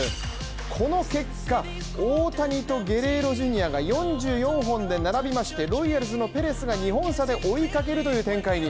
この結果、大谷とゲレーロ・ジュニアが４４本で並び、ロイヤルズのペレスが２本差で追いかけるという展開に。